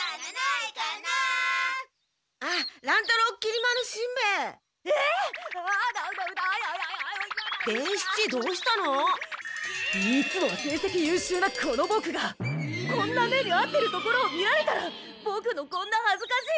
いつもは成績優秀なこのボクがこんな目にあってるところを見られたらボクのこんなはずかしいすがた見せたくない！